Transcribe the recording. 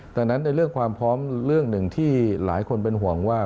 ดังนั้นในเรื่องความพร้อมเรื่องหนึ่งที่หลายคนเป็นห่วงว่า